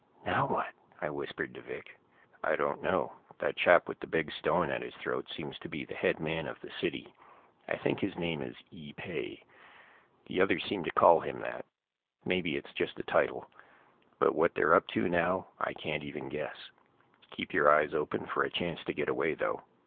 "Now what?" I whispered to Vic. "I don't know. That chap with the big stone at his throat seems to be the head man of the city. I think his name is Ee pay; the others seem to call him that. Maybe it's just a title. But what they're up to now, I can't even guess. Keep your eyes open for a chance to get away, though.